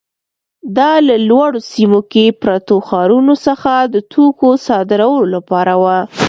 دا له لوړو سیمو کې پرتو ښارونو څخه د توکو صادرولو لپاره وه.